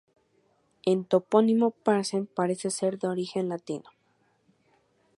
El topónimo Parcent parecer ser de origen latino.